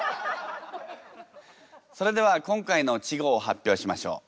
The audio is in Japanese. それでは今回の稚語を発表しましょう。